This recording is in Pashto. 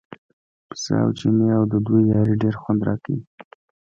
پسه او چینی او د دوی یاري ډېر خوند راکوي.